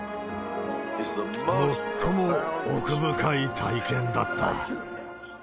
最も奥深い体験だった。